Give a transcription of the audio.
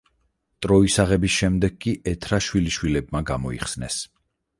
ტროის აღების შემდეგ კი ეთრა შვილიშვილებმა გამოიხსნეს.